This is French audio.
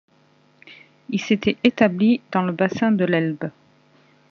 Ils s'étaient établis dans le bassin de l'Elbe.